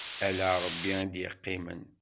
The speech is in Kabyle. Ala Ṛebbi i d-yeqqimen.